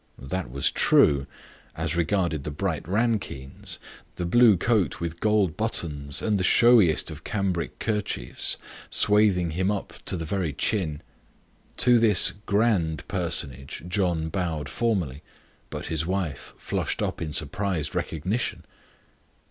That was true, as regarded the bright nankeens, the blue coat with gold buttons, and the showiest of cambric kerchiefs swathing him up to the very chin. To this "grand" personage John bowed formally, but his wife flushed up in surprised recognition.